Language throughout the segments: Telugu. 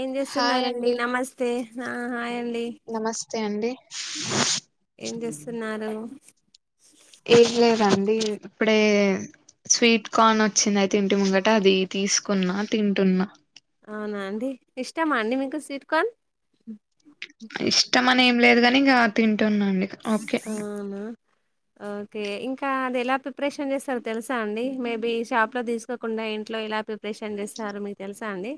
ఏం హాయ్ చేస్తున్నారండి అండి నమస్తే ఆ హాయ్ అన్ నమస్తే అండి ఏం చేస్తున్నారు ఏం లేదండి ఇప్పుడే స్వీట్ కార్న్ వచ్చినాయి తింటి ముంగట అది తీసుకున్నా తింటున్నా అవునా అండి ఇష్టమా అండి మీకు స్వీట్ కార్న్ ఇష్టమనేం లేదుగాని ఇంగ ఆ తిన్ టున్న అండి [inaudible] ఓకే అవునా ఓకే ఇంకా అది ఎలా ప్రిపరేషన్ చేస్తారో తెలుసా అండి మేబి షాప్ లో తీసుకోకుండా ఇంట్లో ఎలా ప్రిపరేషన్ చేస్తారో మీకు తెలుసా అండి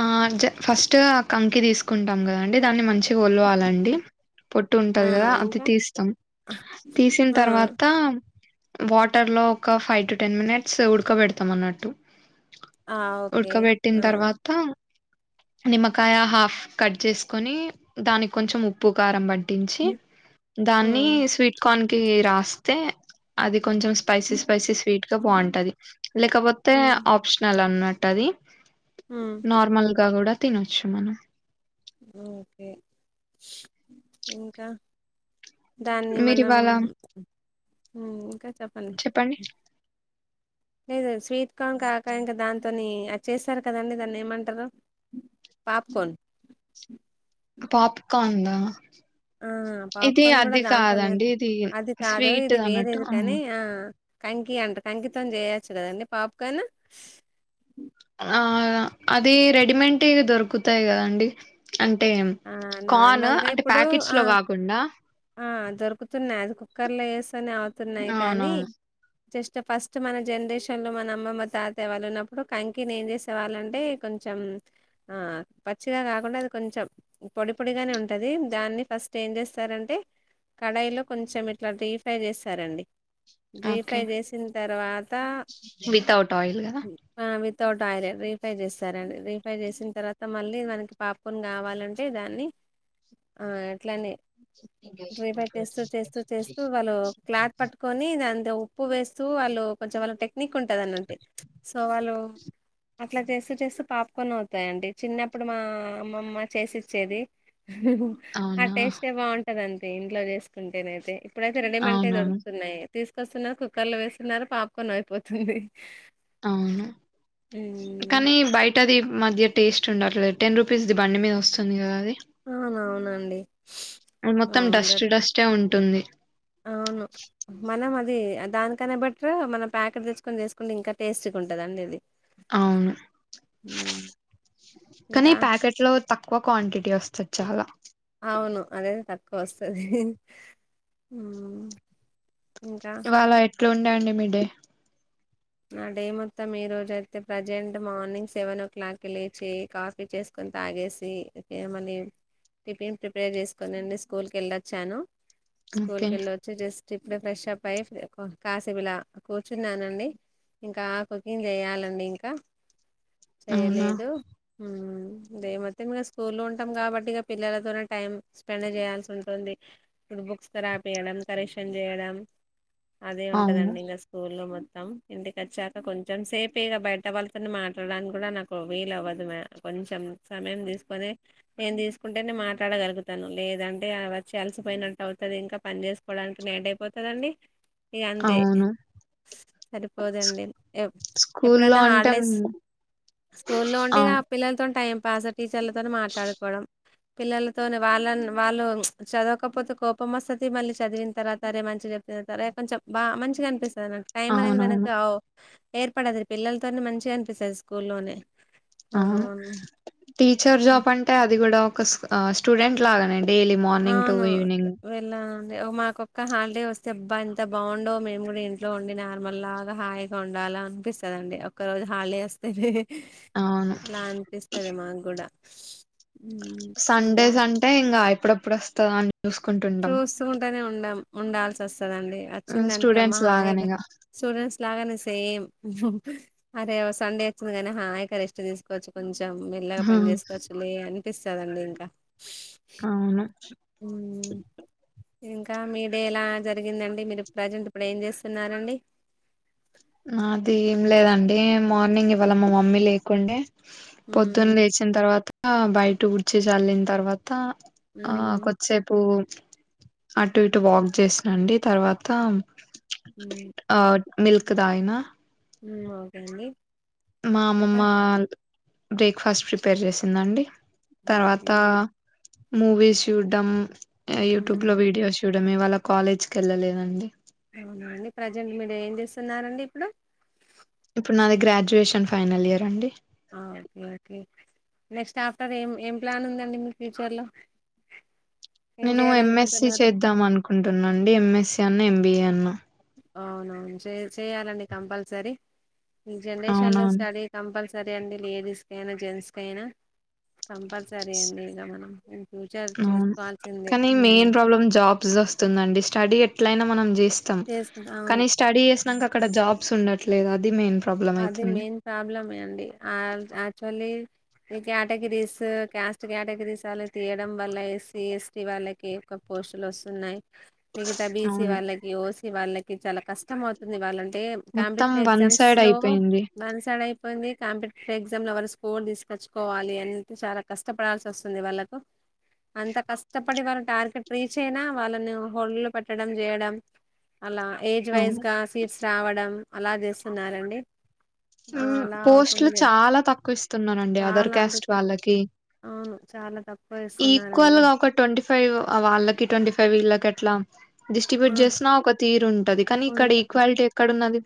ఆ జ ఫస్ ట్ ఆ కంకి తీసుకుంటాం కదండి దాన్ని మంచిగా ఒలవాలండి పొట్టు ఆ ఉంటది కదా అది ఇంకా తీస్తాం తీసిన ఆ తర్వాత వాటర్ లో ఒక ఫైవ్ టు టెన్ మినిట్స్ ఉడకబెడతాం అన్నట్టు ఆ ఓకే ఉడకబెట్టిన ఆ తర్వాత నిమ్మకాయ హాఫ్ కట్ చేసుకొని, దానికి కొంచెం ఉప్పు కారం బట్ బటించి దాన్ని ఉమ్ స్వీట్ కార్న్ కి రాస్తే అది కొంచం స్పైసీ స్పైసీ స్వీట్ గా బాగుంటది. లేకపోతే ఉమ్ ఆప్షనల్ అన్న ట్టది ఉమ్ నార్మల్ పకోడా తనచ్చు మనం ఓకే ఇంకా దాన్ని మీరు మనం ఇవాళ హ్మ్ ఇంకా చెప్పండి నెయ్ దోస్ స్వీట్ కార్న్ కాక ఇంకా దాంతోని యా చేశారు కదండి. దాన్ని ఏమంటారు పాప్కోన్ ఆ ఆ పాప్కార్న్ కూడా దాంతోనే ఇది అది కాదు స్వీట్ ఇది అన్నట్టు వేరేది కానీ ఆ కంకి అంటారు కంకితోం చేయొచ్చు కదండి పాప్కన్ ఆ అది రెడీమెట్వి దొరుకుతాయి కదాండి. అంటే ఆ కార్న్ నార్మల్గా అంటే ఇప్పుడు ప్యాకెట్స్ లో ఆ కాకుండా ఆ దొరుకుతున్నాయి అది కుక్కర్ లో వేసేనే ఆగ్ తున్నాయ్ కానీ, అవునవును జస్ట్ ఫస్ట్ మన జనరేషన్ లో మన అమ్మమ్మ తాత వాళ్ళు ఉన్నప్పుడు కంకిని ఏం చేసేవాళ్ళంటే కొంచెం ఆ పచ్చిగా కాకుండా అది కొంచెం పొడి పొడిగానే ఉంటది. దాన్ని ఫస్ట్ ఏం చేస్తారంటే, కడాయిలో కొంచెం ఇట్లా డీఫ్రై చేస్తారండి. డీ ఓకే ఫ్రై చేేసిన తర్వాత వితౌట్ ఆయిల్ కదా ఆ విత్ వితౌట్ ఆయిల్ రీఫై చేస్తారండి. రీఫై చేసిన తర్వాత, మళ్ళీ మనకి పాప్కోన్ కావాలంన్ అంటే దాన్ని ఆ అట్లానే డ్రీ ఫ్రై చేస్తూ చేస్తూ చేస్తూ వాళ్ళు క్లాత్ పట్టుకొని దాన్ దా ఉప్పు వేస్తూ వాళ్ళు కొంచం వాల్ టెక్ నీకుంటది అన్నంటే ప్చ్ సో వాళ్ళు అట్లా చేస్తూ చేస్తూ పాప్కోన్ అవుతాయింటడి చిన్నప్పుడు మా అమ్మమ్మ చేసి చేది ఆ అవునా టెస్ట్యే బాగుంన్ కాదంతే ఇంట్లో చేసుకుంటేనే అయితే ఇప్పుడైతే రేడిమెట్యే అవునవును దొరుకుతున్నాయి. తీసుకొస్తున్నారు, కుక్కర్ లో వేస్తున్నారు, పాప్కోన్ అయిపోతుంది. అవును ఉమ్ కానీ బయటది మధ్య టేస్ట్ ఉండట్లేదు, టెన్ రూపీస్ది బండి మీద వస్తుంది కదా అది. అవునావునండి అది మొత్తం డస్ట్ డస్ట్యే ఉంన్ టుంది అవును మనం మద్ ది దానికనే బెట్టరా మనం ప్యాకెట్ తెచ్చుకొని, చేసుకుంటే ఇంకా టేస్ట్గా ఉంటంది అండి ఇది అవును హ్మ్. ఇంకా కాని ప్యాకెట్ లో తక్కువ క్వాంటిటీ వస్తది చాలా అవును అదైతే తక్కువ వస్తది హ్మ్ ఇంక ఇంట్లో ఉండండి మీ డే నా డే మొత్తం ఈరోజైతే ప్రజెంట్ మార్నింగ్ సెవెన్ ఓ క్లాక్కి లేచి, కాఫీ చేసుకొని తాగేసి, ఇగ మళ్లీ టిఫిన్ ప్రిపేర్ చేసుకోనండి. స్కూల్కి వెళ్ళొచ్చాను. ఓకే స్కూల్కెలోచి జస్ట్ ఇప్పుడే ఫ్రెష్ అప్ అయ్యి కాసేపిల కూర్చున్నానండి. ఇంకా కుకింగ్ చెయాలండి ఇంక అవునా చేయాలేదు హ్మ్ డే మొత్తం ఇంగ స్కూల్ లో ఉంటాం కాబట్టి ఇగ పిల్లలతోనే టైమ్ స్పెండ్ చేయాల్సి ఉంటుంది. బుక్స్ తో రాపియడం, కరెక్షన్ చేయడం. అదే అవును ఉంటదండి ఇంకా స్కూల్లో మొత్తం త్తం ఇంటికచ్చాక కొంచెం సేపే ఇగ బయట వాళ్ళతోని మాట్లాడానికి కూడా నాకు వీల్ అవ్వదు. మామ్ కొంచెం సమయం తీసుకొని నేను తీసుకుంటేనే మాట్లాడగలుగుతాను. లేదంటే వచ్చి అలసిపోయినట్టు అవుతాది. ఇంకా పని చేసుకోవడానికి నైట్ అయిపోతాదండీ. ఇగ అంతే అవును సరిపోదండి ఎప్ స్కూల్లో ఎప్పుడైనా అంటే హాలిడేస్ మ్, స్కూల్లో ఉంటే ఆ ఇగ పిల్లలతోనీ టైం. పాసర్ట్ టీచర్లతోని మాట్లాడుకోవడం. పిల్లలతోనీ వాళ్ళని వాళ్ళు ప్చ్ చదవకపోతే కోపం వస్తది. మళ్ళీ చదివిన తర్వాతరే మంచిగా చెప్రే కొంచెం బా మంచిగా అనిపిస్తు [unintelligible] టైమ్ అనేది మర్ [unintelligible] అవునవును రావ్ ఏర్పడది పిల్లలతోనే మంచిగా అనిపిస్తద్ స్కూల్లోనే అవును టి చర్ జాబ్ అంటే అది గూడా ఒక ఆ స్టూడెంట్ లాగానే అండి డైలీ మార్నింగ్ టు అవును ఈవెనింగ్ వెళ్ళానండి మాకొక్క హాలీడే వస్తే అబ్బా ఎంత బాగుండో, మేము గూడా ఇంట్లో ఉండి నార్మల్ లాగా హాయిగా ఉండాల అనిపిస్తద్ అండి. ఒక్క రోజు హాలిడే వస్తేనే అవును ఇలా అనిపిస్తాది మాకు గుడా సన్డేస్ అంటే ఇంగా అయ్ ఎప్పుడేప్పుడ్ వస్తాద అన్ చూసుకుంటానే ఉండం ఉండాల్స్ వస్తా వస్తాదండీ ఉమ్, ఆచిందంటే అమ్మ స్టూడెంట్స్ హాయ్గ లాగానేగా స్టూడెంట్స్ లాగానే సేమ్ అరే సండే వచ్చింది గానీ హాయిగ రెస్ట్ తీసుకోవచ్చు కొంచెం లేదం మెల్లగ పని చేసుకోవచ్చులే అని పిస్తాదండి ఇంకా అవును ఇంకా మీ డే ఎలా జరిగిందండి. మీరు ప్రజెంట్ ఇప్పుడు ఏం చేస్తున్నారండి. యే మార్నింగ్ ఇవాళ మా మమ్మీ లేకుండే పొద్దున్ మ్మ్ లేచిన తర్వాత ఆ బయట ఉడ్చి చల్లిన తర్వాత్ త్త ఆ మ్మ్ కొద్సేపు అటు ఇటు వాక్ చేస్నండి తర్వాత హ్మ్ ఆ మిల్క్ క్ దాగిన హ్మ్ ఓకే అండి మా ఇంకా అమ్మమ్మా బ్రేక్ఫాస్ట్ ప్రిపేర్ చేసిందండి. ఓకే తర్వాత మూవీస్ చూడ్డం యూట్యూబ్ మ్మ్ లో వీడియోస్ చూడమే ఇవాళ కాలేజ్కి వెళ్ళలేదండి. తున్నారండి ఇప్పుడు ఇప్పుడు నాది గ్రాడ్యుయేషన్ ఫైనల్ ఇయర్ అండి. ఆ ఓకే ఓకే నెక్స్ట్ ఆఫ్టర్ ఏం ఏం ప్లాన్ ఉందండి. మిక్ ఫ్యూచర్లో నేను ఎంఎస్సి చేద్దాం అనుకుంటునండి. ఎంఎస్సి అన్న ఎం బి అన్న అవునవును చే చేయాలండి కంపల్సరీ ఈ జనరేషన్ లో అవునవును స్టడీ కంపల్స సరే అండి లేడీస్ కయినా జెంట్స్ కయిన కంపల్సరీ అండి ఇక మనం మ్మ్ అవును కాని మెయిన్ ప్రాబ్లమ్ జాబ్ బ్స్ వస్తుందండి స్టడీ ఎట్లయినా మనం చెయ్ స్త చేసుకు అవును కానీ స్టడీ చేసినంక అక్కడ జాబ్స్ ఉండ ట్లేదు అది మెయిన్ ప్రాబ్లం అది అయితుంది మెయిన్ ప్రాబ్లమే అండి ఆ యాక్చువలీ ఈ క్యాటగిరీసు క్యాస్ట్ క్యాటగిరీస్ ఆళ్ల తీయడం వల్ల ఎ స్సీ ఎ స్టి వాళ్ళకి ఎక్కువ పోస్టులు వస్తున్నాయి మిగిత బీ సీ అవును వాళ్ళకి ఓ సీ వాళ్ళకి ఇద్ చాలా కష్టం అవుతుంది వాళ్ళన్ మొత్తం వన్ సైడ్ అయి మో వన్ సైడ్ అయి ఇబ్బంది కాంపిటిటివ్ ఎగ్జామ్ లో వాళ్ళు స్కోర్ తీసుకచ్చుకోవాలి అనే చాలా కష్టపడాల్సి వస్తుంది వాళ్ళకు అంత కష్టపడి వాళ టార్గెట్ రీచ్ అయినా వాళ్ళని హోల్లో పెట్టడం చేయడం అలా ఏజ్ వైజ్ అవును గా సీట్స్ రావడం అలా చేస్తున్నారండి డి మ్మ్ పోస్ట్లు చాలా తక్కువ ఇస్తున్నారండి అదర్ చాలా అంటే క్యాస్ట్ చా- వాళ్ళకి అవును చాలా తక్కువ ఈక్వల్ ఇస్తున్నారండి గా ఒక ట్వంటీ ఫైవ్ ఆ వాళ్ళకి ట్వంటీ ఫైవ్ వీళ్ళ కట్లా ఆ డిస్ట్రిబ్యూట్ చేసినా ఒక తీరు ఉంటది కానీ ఇక్కడ ఉంట ఈక్వాలిటీ ఎక్కడ ఉన్నది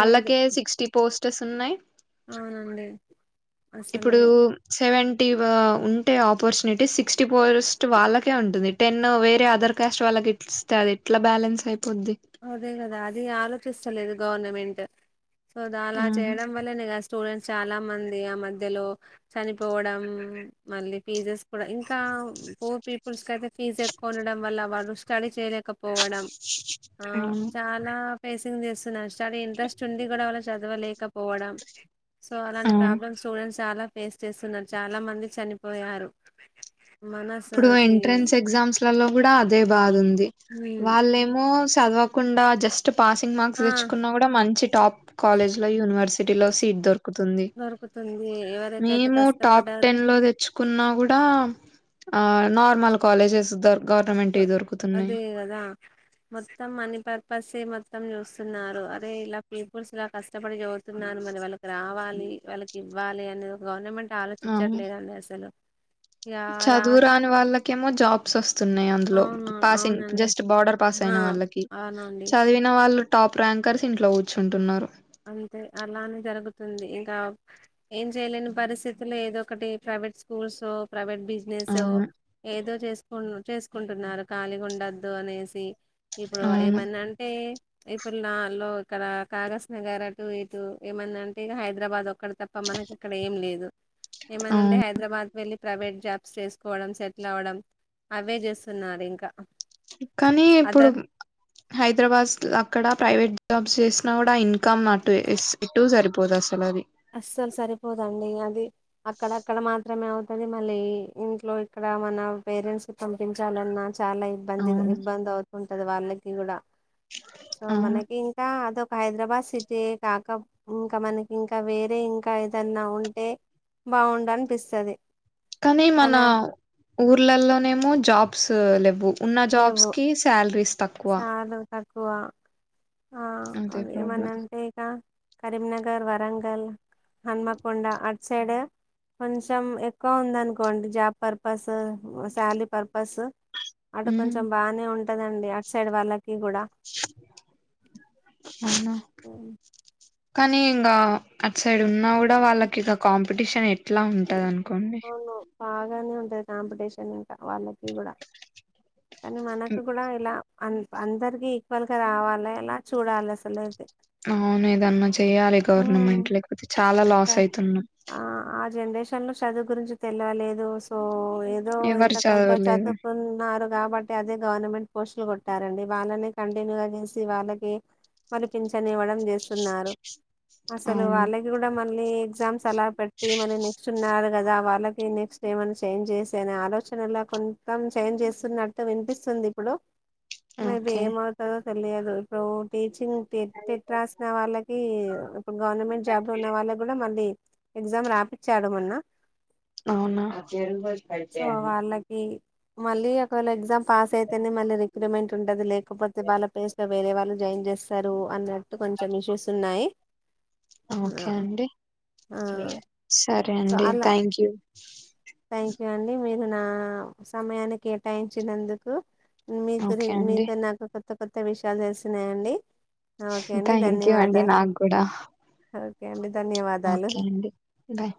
లేదు సిక్టీ పోస్ట్ చేస్తున్నాయి అవునండి అసలు ఇప్పుడు సెవెన్ టీవ ఉంటే ఆపర్చునిటీ సిక్స్టీ పర్స్ట్ వాళ్ళకే ఉంటది టెన్ వేరే అదర్ కాస్ట్ వాళ్ళకి ఇస్తే అది ఎట్లా బ్యాలెన్స్ అయిపో అదే కదా అది ఆలోచిస్తలేదు గవర్నమెంట్ ట్ సో ద అలా చేయడం వల్ల నాక్ స్టూడెంట్స్ చాలా మంది ఆ మధ్యలో చనిపోవడం మళ్ళీ ఫీజెస్ కూడా ఇంకా పూర్ పీపుల్స్ క అయితే ఫీజ్ ఎక్కువ ఉండడం వల్ల వాళ్ళు స్టడీ చేయలేకపో పోవడం ఆ అవును చాలా పెట్ మెసేజ్లు చేస్తున్నారు చానా ఇంట్రెస్ట్ ఉండి కూడా వాళ్ళు చదవలేక కోవడం సో అలాంటి అవును ప్రాబ్లమ్స్ స్టూడెంట్స్ చాలా పేస్ చేస్తున్నారు చాలా మంది చనిపోయారు ఇప్పుడు మనసకి ఎంట్రెన్స్ ఎగ్జామ్స్ లలో కూడా అదే బాధ ఉంది వాళ్ళేమో చదవకుండా జస్ట్ పాసింగ్ మార్క్స్ ఆ తెచ్చుకున్నా కూడా మంచి టాప్ కాలేజ్ లో యూనివర్సి సిటీలో సీట్ దొరుకుతుంది దొరుకుతుంది ఎవరికైతే మేము టాప్ కష్టపడ్డారో టెన్ లో తెచ్చుకున్నా కూడా ఆ నార్మల్ కాలేజెస్ దొర్ ఆ అదే కదా మొత్తం మని పర్పస్సె మో నరకం చూస్తున్నారు అదే ఇలా పీపుల్స్ ఇలా కష్టపడి చదుతున్నారు మరి వాళ్ళకి రావాలి వాళ్ళకి ఇవ్వాలి అనేది ఒక గవర్నమెంట్ అవును ఆలోచించట్లేదండి అసలు ఇక చదువు రాక రాని వాళ్ళకేమో జాబ్స్ వస్తున్నాయి న్నాయి అందులో అవును పాసింగ్ అవునండి జస్ట్ బార్డర్ పాస్ ఆ అయిన వాళ్ళకి అవునండి చదివిన వాళ్ళు టాప్ ర్యాంకర్స్ ఇంట్లో కూర్చుంటున్నారు అంతే అలానే జరుగుతుంది ఇంకా ఏం చేయలేని పరిస్థితులో ఏదో ఒకటి ప్రైవేట్ స్కూల్స్ ప్రైవేట్ బిజినెసో అవును ఏదో చేసుకోన్డ్ చేసుకుంటున్నారు ఖాళీగా ఉండొద్దు అనేసి ఇప్పుడు అవును ఏమన్నా అంటే ఇప్పుడు నాలో ఇక్కడ కారాస్ నగర్ అటూ ఇటూ ఏమన్నా అంటే హైదరాబాద్ ఒక్ అక్కడ తప్ప మనకి ఇక్కడ ఏం లేదు ఏమనంటే అవును హైదరాబాద్ వెళ్ళి ప్రైవేట్ జాబ్స్ చేసుకోవడం సెటిల్ అవ్వడం అవే చేస్తున్నారు ఇంకా కానీ ఇప్పుడు అదర్ హైదరాబాద్స్ ల అక్కడ ప్రైవేట్ జాబ్స్ చేసినా కూడా ఇన్కమ్ అంటేస్ ఇటు సరిపోదు అసలు అది. అస్సలు సరిపోదండి అది అక్కడ అక్కడ మాత్రమే అవ్తాది. మళ్ళీ ఇంట్లో ఇక్కడ మన పేరెంట్స్ కీ పంపించాలన్నా చాలా ఇబ్బందిగా అవును ఇబ్బంది అవ్కుండా పేద వాళ్ళకి కూడా సో అవును మనకి ఇంకా అదొక్ హైదరాబాద్ సిటీ కాక ఇంకా మనకి ఇంకా ఇంకా వేరే ఇంకా ఏదన్నా ఉంటే బాగుండనిపిస్తది. కానీ మనా ఊర్లలనేమో జాబ్స్ లెవ్వు. ఉన్న లేవు జాబ్స్కి శాలరీస్ తక్కువ చాలా తక్కువ ఆ అదే ఏమన్నా అంటె ఇక కరీంనగర్, వరంగల్, హన్మకొండ అటు సైడ్ కొంచెం ఎక్కువ ఉందనుకోండి జాబ్ పర్పస్ శాలరీ పర్పస్ అటు కొంచెం బానే ఉం టదండి అటు సైడ్ వాళ్ళకి కూడా అవునా కానీ ఇంకా అట్ సైడ్ ఉన్నా గుడా వాళ్ళకి ఇగ కాంపిటీషన్ ఎ ఎట్లా ఉంటదనుకోండి గానే ఉంటది కాంపిటీషన్ ఇంకా వాళ్ళకి కూడా కానీ మనకు కూడా ఎలా అం అందరికి ఈక్వల్గా రావాలె అలా చూడాలి అసలైతే అవును ఏదన్న చెప్ య్యాలే ఉమ్. గవర్నమెంట్ లేకపోతే చాలా లాస్ అయితున్నం. షన్లో చదువు గురించి తెల్వలేదు సో ఏదో ఎవరు ఎంత కొంత చదవలేదు చదువుకున్నారు కాబట్టి అదే గవర్నమెంట్ పోస్ట్లు కొట్టారండి వాళ్ళనే కంటిన్యూగా చేసి వాళ్ళకి మళ్ళీ పింఛన్ ఇవ్వడం చేస్తున్నారు. అసలు అవును వాళ్ళకి గుడ మళ్ళీ ఎగ్జామ్స్ అలా పెట్టి మళ్ళ నెక్స్ట్ ఉన్నారు కదా వాళ్ళకి నెక్స్ట్ ఏమన్న చేంజ్ చేసేయనే ఆలోచనలా కొంచం చేంజ్ చేస్తున్నట్టు వినిపిస్తుంది ఇప్పుడు మే బి ఓకే ఏమౌతదో లేదు ఇప్పుడూ టీచింగ్ టెట్ రాసిన వాళ్ళకి ఇప్పుడు గవర్నమెంట్ జాబ్ ఉన్న వాళ్ళక్ గుడా మళ్ళీ ఎగ్జామ్ రాపిచ్చాడు మొన్న అవునా సో వాళ్ళకి మళ్ళీ ఒకవేళ ఎగ్జాం పాస్ అయితేనే మళ్ళీ ఎక్స్పెరిమెంట్ ఉంటది లేకపోతే వాళ్ల ప్లేస్లా వేరే వాళ్ళు జాయిన్ చేస్ చేస్తరు అన్నట్టు కొంచం ఇష్యూస్ ఉన్నాయి. ఆ ఓకే అండి ఆ సర్ రే సో అండి అలా థ్యాంక్ యూ థ్యాంక్ యూ అండి. మీరు నా సమయాన్ని కేటాయించినందుకు. మీ ఓకే గురించ్ మీ అండి పై నాకు కొత్త కొత్త విషయాలు తెలుస్తున్నాయండి. థాంక్యూ అండి నాకు కూడా ఒకే అండి ధన్యవాదాలు ఓకే అండి బాయ్